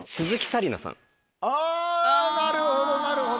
あぁなるほどなるほど。